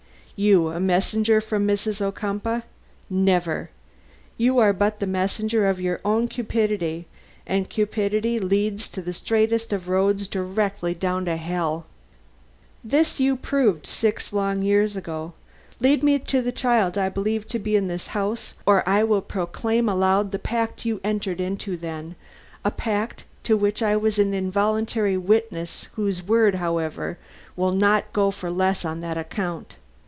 You, a messenger from Mrs. Ocumpaugh? Never. You are but the messenger of your own cupidity; and cupidity leads by the straightest of roads directly down to hell." "This you proved six long years ago. Lead me to the child I believe to be in this house or I will proclaim aloud the pact you entered into then a pact to which I was an involuntary witness whose word, however, will not go for less on that account.